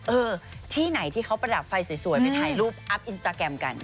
เออที่ไหนที่เขาประดับไฟสวยไปถ่ายรูปอัพอินสตาแกรมกัน